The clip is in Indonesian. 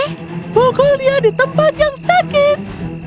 aku akan membunuhmu di tempat yang sakit